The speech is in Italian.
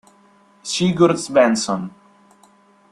Sigurd Svensson